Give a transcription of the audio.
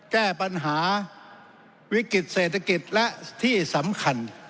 แก้ปัญหาวิกฤติเศรษฐกิจและที่สำคัญ